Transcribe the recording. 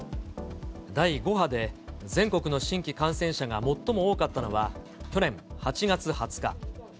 第５波で、全国の新規感染者が最も多かったのは、去年８月２０日。